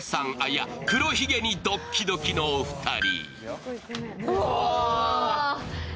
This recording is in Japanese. いや黒ひげにドッキドキの２人。